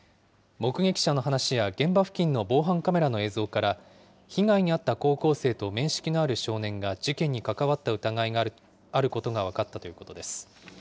目撃者の話や現場付近の防犯カメラの映像から、被害に遭った高校生と面識のある少年が事件に関わった疑いがあることが分かったということです。